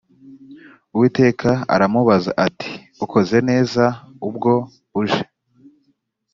uwiteka aramubaza ati ukoze neza ubwo uje